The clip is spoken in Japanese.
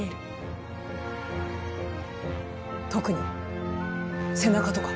特に背中とか。